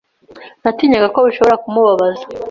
Natinyaga ko bishobora kumubabaza.